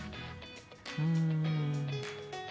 うん。